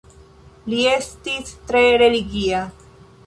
Li estis tre religia.